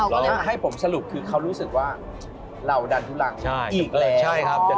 แล้วถ้าให้ผมสรุปคือเขารู้สึกว่าเราดันทุรังอีกแล้ว